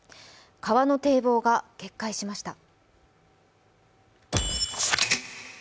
川の堤が決壊しました。